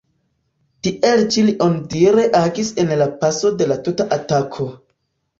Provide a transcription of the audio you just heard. Tiel ĉi li onidire agis en la paso de la tuta atako.